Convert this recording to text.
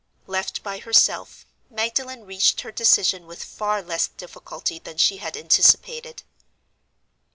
Left by herself, Magdalen reached her decision with far less difficulty than she had anticipated.